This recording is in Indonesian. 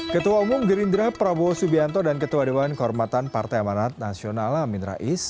ketua umum gerindra prabowo subianto dan ketua dewan kehormatan partai amanat nasional amin rais